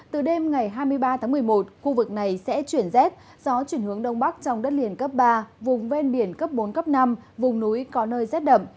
từ đêm ngày hai mươi ba tháng một mươi một khu vực này sẽ chuyển rét gió chuyển hướng đông bắc trong đất liền cấp ba vùng ven biển cấp bốn cấp năm vùng núi có nơi rét đậm